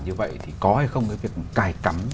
như vậy thì có hay không cái việc cài cắm